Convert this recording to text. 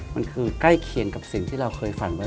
มันคือใกล้เคียงกับสิ่งที่เราเคยฝันไว้